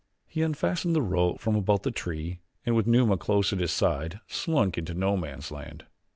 He unfastened the rope from about the tree and, with Numa close at his side, slunk into No Man's Land.